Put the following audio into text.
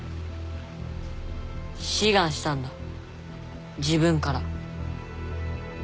志願したんだ自分から。